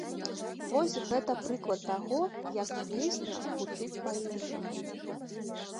Вось гэта прыклад таго, як песня гучыць па-іншаму.